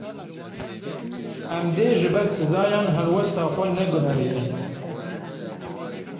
Em dê ji ber sizayan helwesta xwe neguherînin.